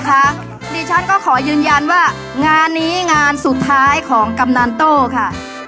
ดิฉันก็ขอยืนยันว่างานนี้งานสุดท้ายของกำนันโต้ค่ะ